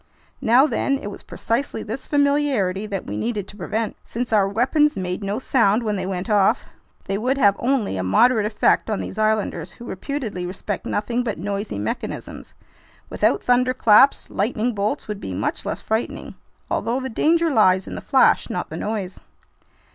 Now then, it was precisely this familiarity that we needed to prevent. Since our weapons made no sound when they went off, they would have only a moderate effect on these islanders, who reputedly respect nothing but noisy mechanisms. Without thunderclaps, lightning bolts would be much less frightening, although the danger lies in the flash, not the noise.